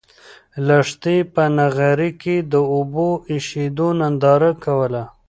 لښتې په نغري کې د اوبو د اېشېدو ننداره کوله.